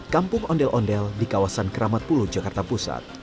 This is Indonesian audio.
kampung ondel ondel di kawasan keramat pulu jakarta pusat